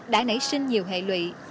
đã nảy sinh nhiều hệ lụy